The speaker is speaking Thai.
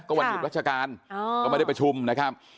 วันหยุดราชการก็ไม่ได้ประชุมนะครับ